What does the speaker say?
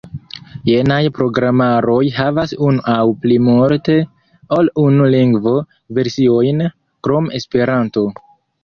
Jenaj programaroj havas unu aŭ plimulte ol unu lingvo-versiojn krom Esperanto.